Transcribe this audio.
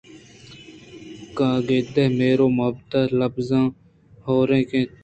کاگد مہر ءُمحُبت ءِ لبزاں ہورک اَت